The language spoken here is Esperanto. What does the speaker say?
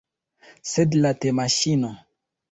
Sed la temaŝino?